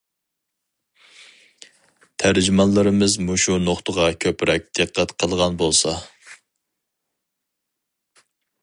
تەرجىمانلىرىمىز مۇشۇ نۇقتىغا كۆپرەك دىققەت قىلغان بولسا.